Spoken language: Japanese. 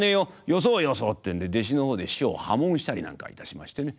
「よそうよそう」ってんで弟子の方で師匠を破門したりなんかいたしましてね。